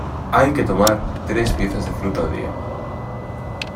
Hay que tomar tres piezas de fruta al día.